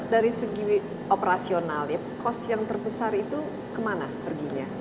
dari segi operasional ya cost yang terbesar itu kemana perginya